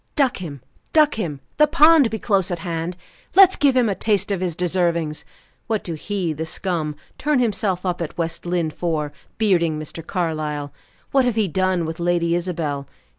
"Duck him! Duck him! The pond be close at hand. Let's give him a taste of his deservings! What do he the scum, turn himself up at West Lynne for, bearding Mr. Carlyle? What have he done with Lady Isabel?